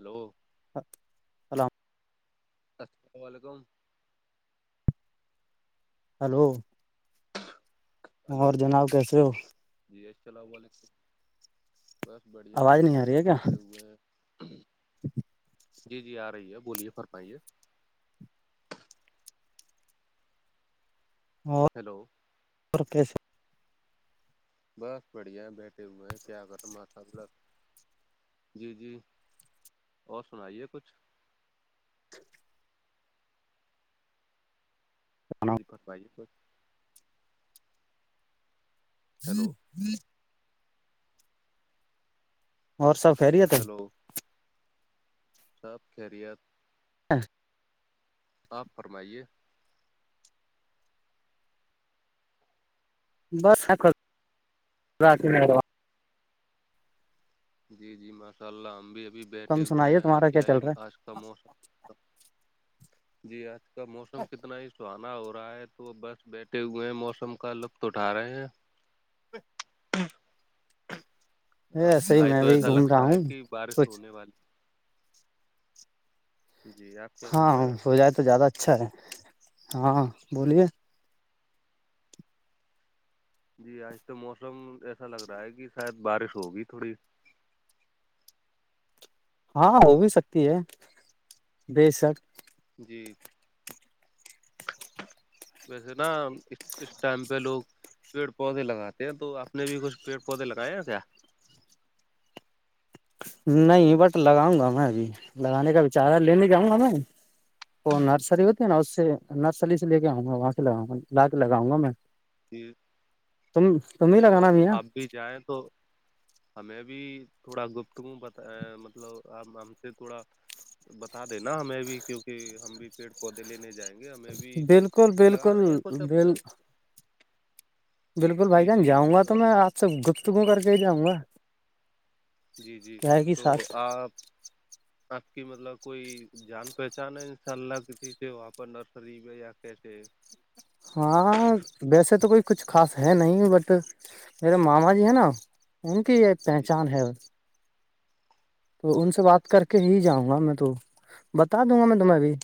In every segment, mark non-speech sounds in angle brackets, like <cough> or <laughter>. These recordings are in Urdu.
ہلو اللام السلام علیکم ہلو اور جناب کیسے ہو جیسلام علیک بس بڑھیا آواز ماشاء نہیں آ اللہ رہی ہے کیا بیٹھے ہوئے جی جی آ رہی ہے بولیے فرمائیے اور ہیلو اور پیسے بس بڑھیا بیٹھے ہوئے ہیں کیا کرا آھا بلس جی جی اور سنائیے کچھ جی بس پائیے س ہوں ہیلو ہوں اور سب خیری ہے ت سپ خیریت ہاں آپ فرمائیے بس ہ کر رات میں جی جی ماشاء اللہ ہم بھی ابھی بیٹھے تم ہوئے سنائیے ہیں تمہارا کیا ہی چل رہا آج کا موسم جی آج کا موسم کتنا ہی سواد ہو رہا ہے تو وہ بس بیٹھے ہوئے ہیں موسم کا لطف اٹھا رہے ہیں ہے اب ایسے ہی آئی میں تو بھی ایسا گھوم رہا لگتا ہے ہوں کہ بارش کچھ ہونے والی جی آپ کیا کر ہاں رہے ہیں ہو جائے تو زیادہ اچھا ہے ہاں بولیے جی آج تو موسم ایسا لگ رہا ہے کہ شاید بارش ہوگی تھوڑی ہاں ہو بھی سکتی ہے بے شک جی ویسے نا اس اس ٹائم پہ لوگ پیڑ پودے لگاتے ہیں تو آپ نے بھی کچھ پیڑ پودے لگائے ہیں کیا نہیں بٹ لگاؤں گا میں ابھی لگانے کا بچار ہے لینے جاؤں گا میں تو نرسری ہوتی ہے نا اس سے نرسری سے لے کے آؤں گا وہاں سے لگاں گا لا کے لگاؤں گا میں جی تم تم ہی جی لگانا اگر بھیا آپ بھی جائیں تو ہمیں بھی تھوڑا گپت ہوں ب مطلب ہم سے تھوڑا بتا دینا ہمیں بھی کیونکہ ہم بھی پیڑ پودے لینے جائیں گے ہمیں بھی بالکل بالکل لگاانے ہیں کچھ اپنے بال بالکل بھائی جی جان جی جاؤں گا تو اگر- میں آپ سے گفتگو کر کے ہی جاؤں گا جی جی کیا ہے کہ تو ساتھ آپ آپ کی مطلب کوئی جان پہچان ہے ان شاء اللہ کسی سے وہاں پر نرسری میں یا کیسے ہاں ویسے تو کوئی کچھ خاص ہے نہیں بٹ میرے ماما جی ہیں نا ان کی یہ جی پہچان ہے تو ان سے اچھا بات اچھا کر کے ہی جاؤں گا میں تو بتا دوں گا میں تمہیں ابھی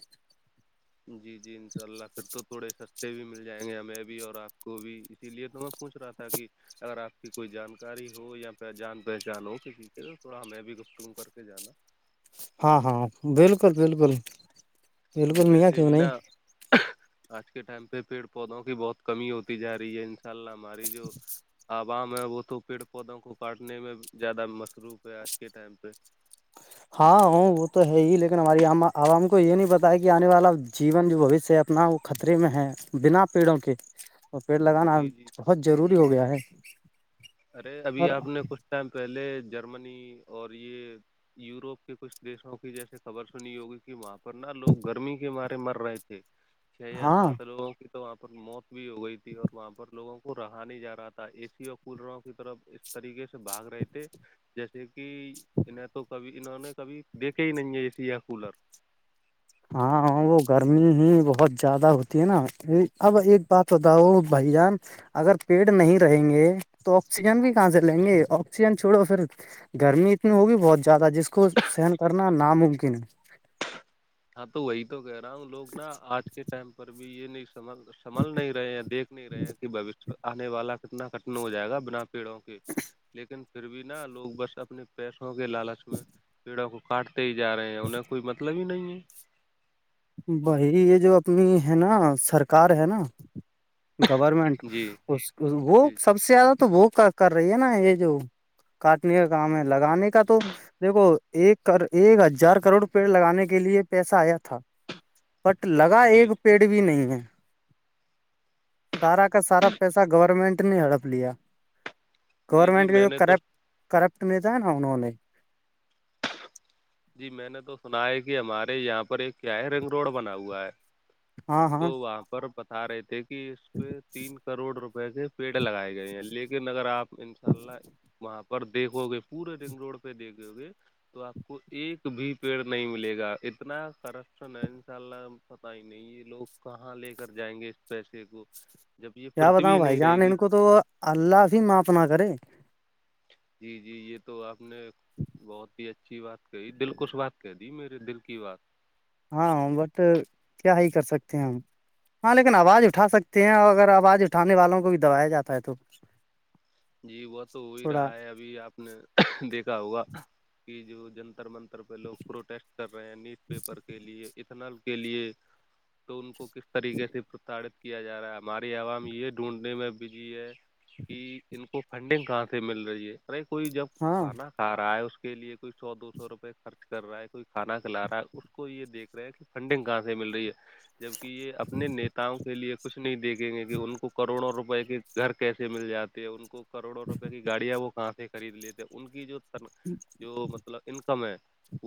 جی جی انشاء اللہ پھر تو تھوڑے سستے بھی مل جائیں گے ہمیں بھی اور آپ کو بھی اسی لیے تو ہم پوچ رہا تھا کہ اگر آپ کی کوئی جانکاری ہو یا پھر جان پہچان ہو کسی کے تھوڑا ہمیں بھی گفتگ کر کے جانا ہاں ہاں بالکل بالکل جی بالکل میاں ویسے کیوں بھی نہیںئی نا آج کے ٹائم پہ پیڑ پودوں کی بہت کمی ہوتی جا رہی ہے ان شاء اللہ ہماری جو عوام ہے وہ تو پیڑ پودوں کو کاٹنے میں زیادہ مصروف ہے آج کے ٹائم پہ ہاں وہ تو ہے ہی لیکن ہماری ع عوام کو یہ نہیں پتا ہے کہ آنے والا جیون جو بھشیہ ہے اپنا خطرے میں ہے بنا پیڑوں کے اور پیڑ لگانا جی جی بہت ضروری ہو گیا ہے ارے ابھی اور آپ نے کچھ ٹائم پہلے جرمنی اور یہ یوروپ کے کچھ دیشوں کی جیسے خبر سنی ہوگی کہ ماںپ پر نہا لوگ گرمی کے مارے مر رہے تھے چھ یا ہاں سات لوگوں کی تو وہاں پر موت بھی ہو گئی تھی اور وہاں پر لوگوں کو رہا نہیں جا رہا تھا اے سی اور کولروں کی طرف اس طریقے سے بھاگ رہے تھے جیسے کہ نیں تو کبھی انہوں نے کبھی دیکھے ہی نہیں ہے ای سی یہ کولر ہاں وہ گرمی ہی بہت زیادہ ہوتی ہے نا اب ایک بات بتاؤ بھائی جان اگر پیڑ نہیں رہیں گے تو آکسیجن بھی کہاں سے لیں گے آکسیجن چھوڑو پھر گرمی اتنی ہوگی بہت زیادہ جس کو سہن کرنا ناممکن ہے ہاں تو وہی تو کہہ رہا ہوں لوگ نا آج کے ٹائم پر بھی یہ سمل سمھل نہیں رہے ہیں دیکھ نہیں رہے ہیں کہ بشیہ آنے والا کتنا کٹن ہو جائے گا بنا پیڑوں کے لیکن پھر بھی نہا لوگ بس اپنے پیسوں کے لالچ میں پیڑوں کو کاٹتے ہی جا رہے ہیں انہ کا کوئی مطلب ہی نہیں ہے بائی یہ جو اپنی ہے نا سرکار ہے نا گورمنٹ جی اس وہ جی سب سے زیادہ تو وہ کر رہی ہے نا یہ جو کاٹنے کا کام ہے لگانے کا تو دیکھو ایک ایک ہزار کروڑ پیڑ لگانے کے لیے پیسہ آیا تھا بٹ لگا جی ایک پیڑ بھی نہیں ہے سارا کا سارا پیسہ گورنمنٹ نے ہڑپ لیا جی جی گورنمنٹ کا میں جو نے تو کرپٹ کرپٹ متا ہے نا انہوں نے جی میں نے تو سنا ہے کہ ہمارے یہاں پر ایک کیا ہے رنگ روڈ بنا ہوا ہے ہاں تو ہاں وہاں پر بتا رہے تھے کہ اس پہ تین کروڑ روپئے کے پیڑ لگائے گئے ہیں لیکن اگر آپ ان شاء اللہ وہاں پہ دیکھو گے پورے رنگ روڈ پہ دیکھو گے تو آپ کو ایک بھی پیڑ نہیں ملے گا اتنا کرپشن ہے ان شاء اللہ پت ہی نہیں یہ لوگ کہاں لے کر جائیں گے اس پیسے کو جب یہ کیا بتاؤں پرتھوی بھائی نہیں رہے جان گی ان کو تو اللہ سے ہی معاف نہ کرے جی جی یہ تو آپ نے بہت ہی اچھی بات کہی دل کوش بات کہہ دی میرے دل کی بات ہاں بٹ کیا ہی کر سکتے ہیں ہم ہاں لیکن آواز اٹھا سکتے ہیں اور اگر آواز اٹھانے والوں کو بھی دبایا جاتا ہے تو جی وہ تو ہو ہی تھوڑا رہا ہے ابھی آپ نے دیکھا ہوا کہ جو جنتر منتر پہ لوگ پروٹیسٹ کر رہے ہیں نیوز پیپر کے لیے اتنال کے لیے تو ان کو کیا کس طریقے سے پرتاڑت کیا جا رہا ہے ہماری عوام یہ ڈھونڈنے میں بزی ہے کہ ان کو فنڈنگ کہاں سے مل رہی ہے اے کوئی جب ہاں کھانا کھا رہا ہے اس کے لیے کوئی سو دو سو روپئے خرچ کر رہا ہے کوئی کھانا کھلا رہا ہے اس کو یہ دیک رہا ہے کہ فنڈنگ کہاں سے مل رہی ہے جبک یہ اپنے نیتاؤ کے لیے کچھ نہیں دیکھیں گے کہ ان کو کروڑوں روپئے کے گھر کیسے مل جاتے ہیں ان کو کروڑوں روپے کی گاڑیاں وہ کہاں سے خرید لیتے ہیں ان کی جو جو مطلب انکم ہے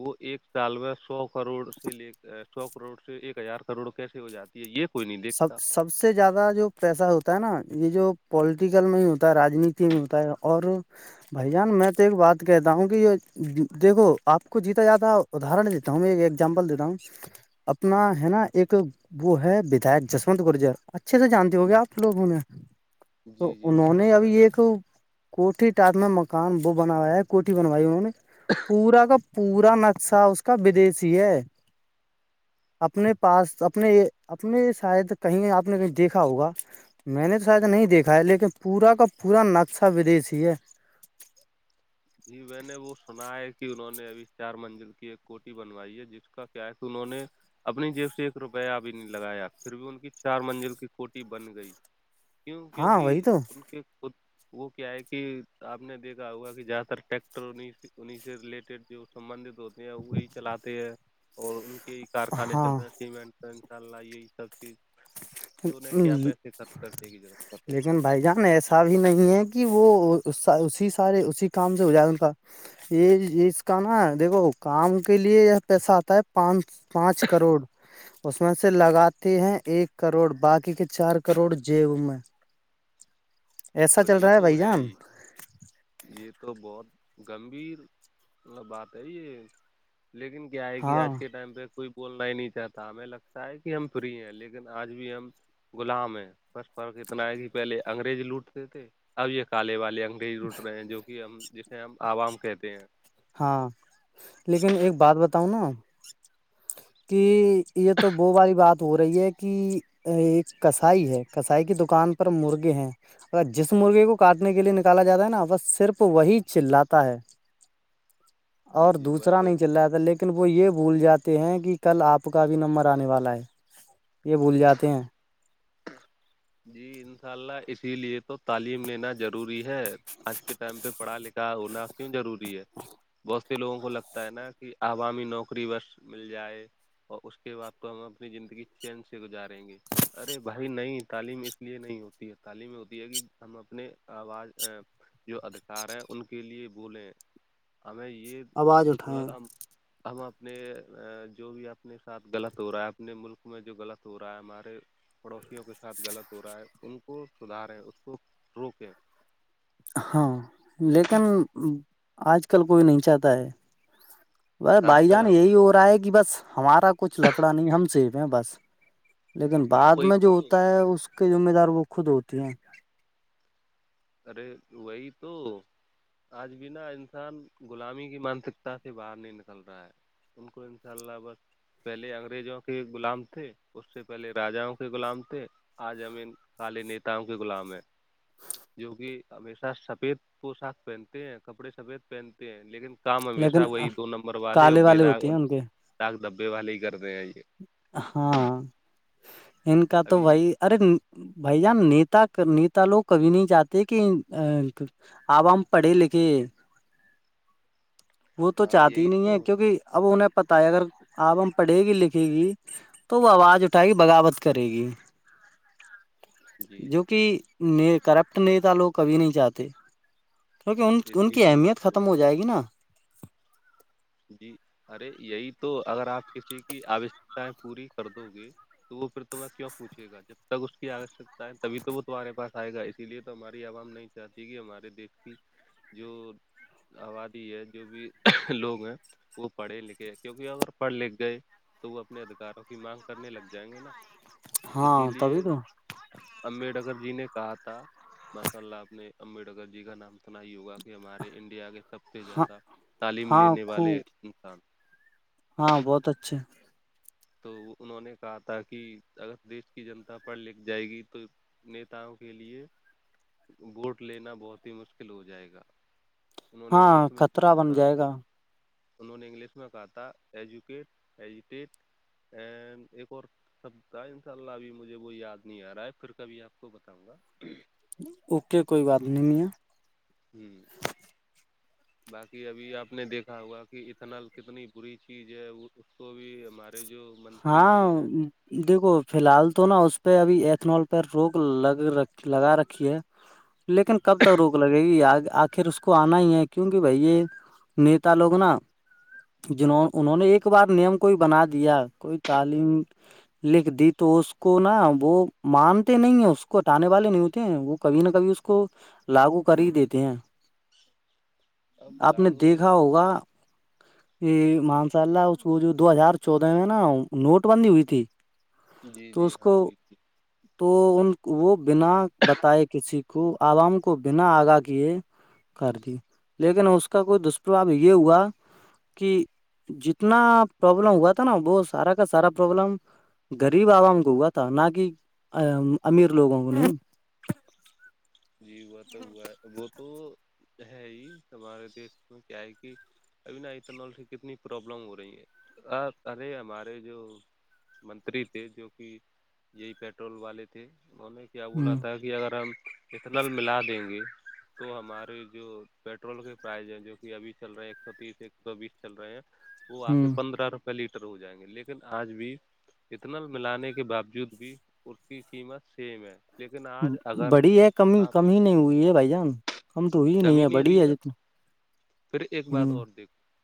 وہ ایک سالو سو کروڑ سے لے سو کروڑ سے ایک ہزار کروڑ کیسے ہو جاتا یہ کوئی نہیں سب دیکھتا سب سے زیادہ جو پیسہ ہوتا ہے نا یہ جو پولٹیکل میں ہی ہوتا ہے راجنیتی میں ہوتا ہے اور بھائی جان میں تو ایک بات کہتا ہوں کہ یہ دیکھو آپ کو جیتا جاتا ہو ادہر دیتا ہوں میں ایکگزامپل دیتا ہوں اپنا جی ہے نا ایک وہ ہے بداک جسوونت گرجر اچھے سے جانتے ہو گے آپ لوگوں میں تو جی جی انہوں انشاء نے اللہ ابھی جان ایک کوٹھی ٹٹنا مکان وہ بناوایا ہے کوٹھی بنوائی انہوں نے پورا کا پورا نقشہ اس کا ودیسیی ہے اپنے پاس اپنے اپنے شاید کہیں آپ نے کہیں دیکھا ہوگا میں نے تو شاید نہیں دیکھا ہے لیکن پورا کا پورا نقشہ ودیشی ہے جی میں نے وہ سنا ہے کہ انہوں نے ابھی چار منزل کی ایک کوٹی بنوائی ہے جس کا کیا ہے کہ انہوں نے اپنی جیب سے ایک روپیہ ابھی نہیں لگایا پھر بھی ان کی چار منزل کی کوٹی بن گئی کیوں ہاں کیوںکہ وہی تو ان کے خود وہ کیا ہے کہ آپ نے دیکھا ہوا کہ ٹیکٹر انیں سے ریلیٹڈ جو سبندت ہوتے ہیں وہی چلاتے ہیں اور ان یہی کارخانے چل ہاں رہے ہیں سیمنٹ انشاء اللہ یہی سب چیز تو انہیں کیا پیسے خرچ کرنے کی ضرورت پڑ رہی ہے لیکن بھائی جان ایسا بھی نہیں ہے کہ وہ اسی سارے اسی کام سے ہو جائے ان کا یہ اس کا نا دیکھو کام کے لیے یہ پیسہ آتا ہے پانچ پانچ کروڑ اس میں سے لگاتے ہیں ایک کروڑ باقی کے چار کروڑ جیب میں ایسا اور چل یہ رہا ہے تو بھائی جان ہی یہ تو بہت گمبھییر مب بات ہے یہ لیکن کیا آئے گی ہاں آج کے ٹائم پہ کوئی بولنا ہی نہیں چاہتا ہمیں لگتا ہے کہ ہم فری ہیں لیکن آج بھی ہم غلام ہے فرس فرق اتنا ہے کہ پہلے انگریز لوٹ تھے اب یہ کالے والے انگریز رٹ رہے ہیں جو کہ ہم جسے ہم عوام کہتے ہیں ہاں لیکن ایک بات بتاؤ نا کہ یہ تو وہ والی بات ہو رہی ہے کہ ایک کسائی ہے کسائی کی دکان پر مرغے ہیں اگر جس مرغے کو کاٹنے کے لیے کالا جاتا ہے نا بس صرف وہی چلاتا ہے جی اور جی وہ دوسرا تو نہیں چل رہا تھا لیکن وہ یہ بھول جاتے ہیں کہ کہ کل آپ کا بھی نمبر آنے والا ہے یہ بھول جاتے ہیں <inaudible> جی انشاء اللہ اسی لیے تو تعلیم لینا ضروری ہے آج کے ٹائم پہ پڑھا لکھا ہونا کیوں ضروری ہے بہت سے لوگوں کو لگتا ہے نا کہ عوامی نوکری بس مل جائے اور اس کے بعد تو ہم اپنی زندگی چین سے گزاریں گے ے بھائی نہیں تعلیم اس لیے نہیں ہوتی ہے تعلیم ہوتی ہے کہ ہم اپنے آواز جو ادھکار ہے ان کے لیے بولیں ہمیں یہ آواز اٹھائیں ملب ہم ہم اپنے جو بھی اپنے ساتھ غلط ہو رہا ہے اپنے ملک میں جو غلط ہو رہا ہے ہمارے پڑوسیوں کے ساتھ غلط ہو رہا ہے ان کو سدھاریں اس کو روکیں ہاں لیکن آج کل کوئی نہیں چاہتا ہے بس آج بھائی کل جان ہر یہی ہو رہا ہے کہ بس ہمارا کچھ لفڑا نہیں ہم سیفیں ہیں بس لیکن ہاں بعد وہی میں جو تو ہوتا ہے اس کے ذمہ دار وہ خود ہوتی ہیں ارے وہی تو آج بنا انسان غلامی کی مانسکتا سے باہر نہیں نکل رہا ہے ت کو انشاء اللہ بس پہلے انگریزوں کے غلام تھے اس سے پہلے راجاؤں کے غلام تھے آجمین کالی نیتاؤں کے غلام ہے جو کہ ہمیشہ سفید کو ساخ پہنتے ہیں کپڑے سفید پہنتے ہیں لیکن شام لیکن ہمیشہ وہی دو نمبر والے اور کالے بے داغ ہوتے ہیں ان کے داک دھبے والے ہی کرتے ہیں یہ ہاں ان کا تو ابھی وہی ارے بھائی جان نیتا نیتا لوگ کبھی نہیں چاہتے کہ اب ہم پڑھے لکھے وہ تو ہاں چاہتی یہی نہیں ہے تو کیونکہ اب انہیں پتا ہے اگر آپ ہم پڑھے گی لن دے گی تو وہ آواز اٹھائے گی بغاوت کرے گی جی جو جی کہ کرپٹ نیتا لوگ کبھی نہیں چاہتے کیونکہ اس ان کے کی لیے اہمیت تو ختم ہو جائے گی نا جی ارے یہی تو اگر آپ کسی کی آوشکتاائیں پوری کر دو گے تو وہ پھرمہیں کیوں پوچھےا جب تک اس کی آوشکتا ہے تبھی تو وہ تمہارے پاس آئے گا اسی لیے تو ہماری عوام نہیں چاہتی گ ہمارے دیکتی جو آبادی ہے جو بھی لوگ ہیں وہ پڑھے لکھے کیونکہ اگر پڑھ لکھ گئے تو وہ اپنے ادھکاروں کی مانگ کرنے لگ جائیں گے نا اسی ہاں تبھی لیے تو امبیڈکر جی نے کہا تھا ماشاء اللہ آپ نے امبیڈکر جی کا نام سنا ہی ہوگا یہ ہمارے انڈیا کے سب سے ہاں زیادہ تعلیم ہاں لینے والے خوب انسان ہاں بہت اچھا تو انہوں نے کہا تھا کہ اگر دش کی جنتا پڑھ لکھ جائے گی تو نیتاؤں کے لیے ووٹ لینا بہت ہی مشکل ہو جائے گا انہوں نے ہاں انگلش میں خطرہ کہا بن تھا جائے گا انہوں نے انگلش میں کہا تھا ایجوکیٹ ایجوٹیٹ ا ایک اور سبتا ہے ان شاء اللہ ابھی مجھے وہ یاد نہیں آ رہا ہے پھر کبھی آپ کو بتاؤں گا اوکے کوئی بات نہیں میا ہوں <inaudible> باقی ابھی آپ نے دیکھا ہوا کہ اتنال کتنی بری چیز ہے اس کو بھی ہمارے جو منتری ہاں جی ہیں دیکھو فی الحال تو نا اس پہ ابھی ایتھنال پہ روک لگ ر لگا رکھی ہے لیکن کب تک روک لگے گی آ پھر اس کو آنا ہی ہے کیونکہ بھائی یہ نیتا لوگ نا جوں انہوں نے ایک بار نیم کوئی بنا دیا کوئی تعلیم لکھ دی تو اس کو نا وہ مانتے نہیں ہیں اس کو ہٹانے والے نہیں ہوتے ہیں وہ کبھی نہ کبھی اس کو لاگو کر ہی دیتے ہیں اب آپ نے لاگو دیکھا ہوگا یہ مانساء اللہ اس کو جو دو ہزار چودہ میں نا نوٹ بندی ہوئی تھی جی تو جی اس ہاں کو وہی تو ان وہ بنا بتائے کسی کو خ عوام کو بنا آگاہ کیے کر دی لیکن اس کا کوئی دشپربھو یہ ہوا کہ جتنا پروابلم ہوا تھا نا وہ سارا کا سارا پروابلم غریب عوام کو ہوا تھا نہ کہ امیر لوگوں کو نہیں جی وہ تو وہ تو ہے ہی ہمارے د میں کیا ہے کہ ابھی ن یہ ٹیکنالوجی کتنی پرابلم ہو رہی ہے ارے ہمارے جو منتری تھے جو کہ یہی پیٹرول والے تھے انہوں نے کیا بولا تھا ہ کہ اگر ہم اتنل ملا دیں گے تو ہمارے جو پیٹرول کے پرائز ہیں جو کہ ابھی چل رہے ہیں ایک سو تیس ایک سو بیس چل رہے ہیں وہ آ ہ کے پندرہ روپے لیٹر ہو جائیں گے لیکن آج بھی اتنا ملانے کے باوجود بھی اس کی قیمت سیم ہے لیکن آج اگر بڑی ہے کمی آپ کم ہی نہیں ہوئی ہے بھائی جان کم تو ہوئی نہیں ہے بڑی ہے جتنی ہ دیک